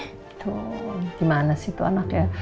gitu gimana sih tuh anak ya